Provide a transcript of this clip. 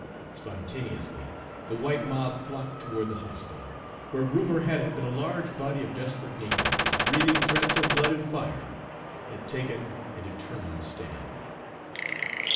Spontaneously the white mob flocked toward the hospital, where rumor had it that a large body of desperate negroes, breathing threats of blood and fire, had taken a determined stand.